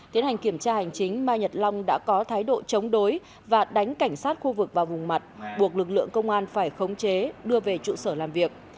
tiến hành kiểm tra hành chính mai nhật long đã có thái độ chống đối và đánh cảnh sát khu vực vào vùng mặt buộc lực lượng công an phải khống chế đưa về trụ sở làm việc